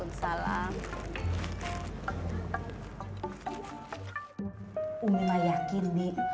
umi mah yakin dik